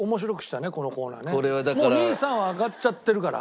もう２３は挙がっちゃってるから。